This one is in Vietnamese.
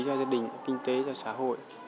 cho gia đình kinh tế xã hội